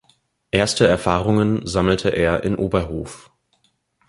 Erste Erfahrungen sammelte er in Oberhof.